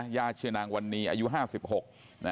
ย่าเชือนางวันนี้อายุห้าสิบหก